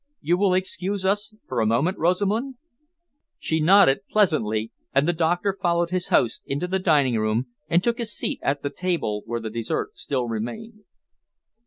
You will excuse us for a moment Rosamund?" She nodded pleasantly, and the doctor followed his host into the dining room and took his seat at the table where the dessert still remained.